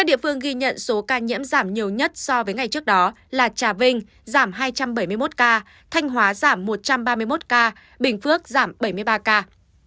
các địa phương ghi nhận số ca nhiễm giảm nhiều nhất so với ngày trước đó là thành hóa giảm một trăm ba mươi một ca thành hóa giảm một trăm ba mươi một ca bình phước giảm bảy mươi ba ca